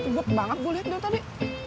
kebob banget gue liat dia tadi